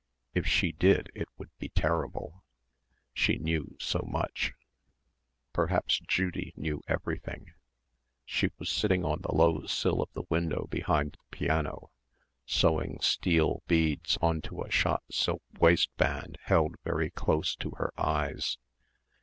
If she did, it would be terrible. She knew so much. Perhaps Judy knew everything. She was sitting on the low sill of the window behind the piano sewing steel beads on to a shot silk waistband held very close to her eyes.